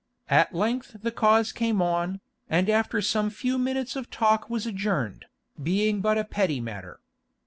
At length the cause came on, and after some few minutes of talk was adjourned, being but a petty matter.